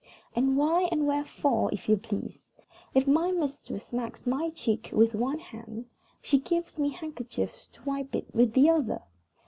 "And why, and wherefore, if you please? If my mistress smacks my cheek with one hand, she gives me handkerchiefs to wipe it with the other.